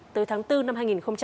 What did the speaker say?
tới tháng bốn năm hai nghìn hai mươi